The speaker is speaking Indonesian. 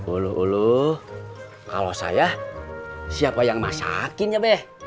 eluh eluh kalau saya siapa yang masakin ya beh